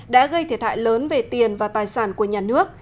đã gây thiệt hại lớn về tiền và tài sản của nhà nước